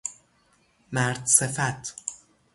مردصفت